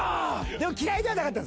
でも嫌いじゃなかった？